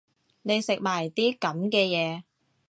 你食埋啲噉嘅嘢